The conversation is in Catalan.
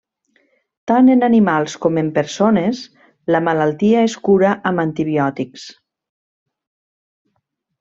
Tant en animals com en persones, la malaltia es cura amb antibiòtics.